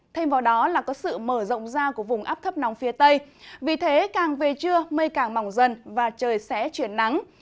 thêm vào đó là có sự mở rộng ra của vùng áp thấp nóng phía tây vì thế càng về trưa mây càng mỏng dần và trời sẽ chuyển nắng